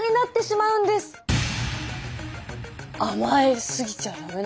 甘え過ぎちゃ駄目だ。